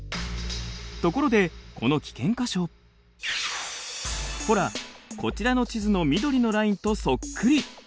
ところでこの危険箇所ほらこちらの地図の緑のラインとそっくり。